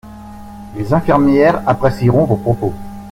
Les infirmières apprécieront vos propos.